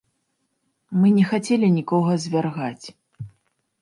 Мы не хацелі нікога звяргаць.